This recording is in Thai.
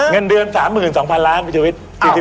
เงินเดือน๓๒๐๐๐ล้านมีชีวิต๔๐